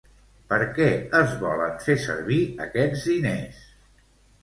Per què es volen fer servir aquests diners?